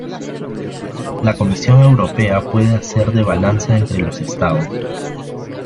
La Comisión Europea puede hacer de balanza entre los Estados.